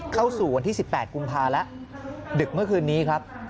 เข้าสู่วันที่๑๘กุมภาแล้วดึกเมื่อคืนนี้ครับ